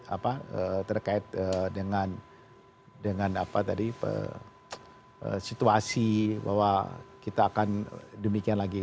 apa terkait dengan dengan apa tadi situasi bahwa kita akan demikian lagi